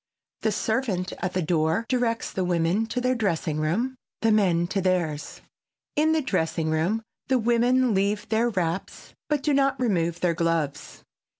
The servant at the door directs the women to their dressing room, the men to theirs. In the dressing room the women leave their wraps, but do not remove their gloves.